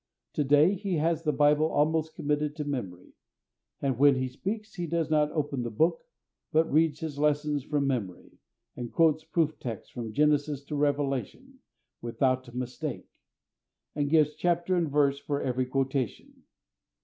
To day, he has the Bible almost committed to memory, and when he speaks he does not open the Book, but reads his lesson from memory, and quotes proof texts from Genesis to Revelation without mistake, and gives chapter and verse for every quotation.